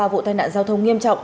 ba vụ tai nạn giao thông nghiêm trọng